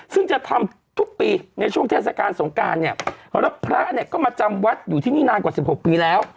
ซึ่งจะทำทุกปีในช่วงเทศกาลสงการเนี่ยแล้วพระเนี่ยก็มาจำวัดอยู่ที่นี่นานกว่า๑๖ปีแล้ว